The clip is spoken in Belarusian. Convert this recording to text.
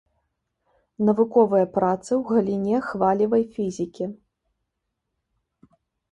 Навуковыя працы ў галіне хвалевай фізікі.